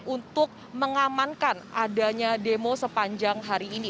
untuk mengamankan adanya demo sepanjang hari ini